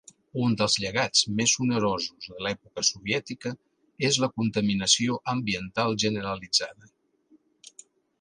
Un dels llegats més onerosos de l'època soviètica és la contaminació ambiental generalitzada.